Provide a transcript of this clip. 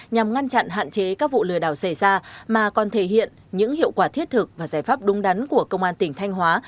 nhằm ngăn chặn hạn chế các vụ lừa đảo xảy ra mà còn thể hiện những hiệu quả thiết thực và giải pháp đúng đắn của công an tỉnh thanh hóa